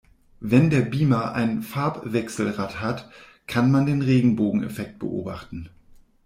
Wenn der Beamer ein Farbwechselrad hat, kann man den Regenbogeneffekt beobachten.